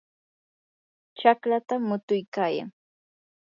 chaqlata mutuykayan.